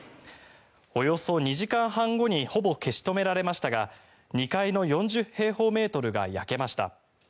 およそ２時間半後にほぼ消し止められましたが２階の４０平方メートルが焼けました。